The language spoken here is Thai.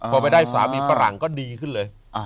พอไปได้สามีฝรั่งก็ดีขึ้นเลย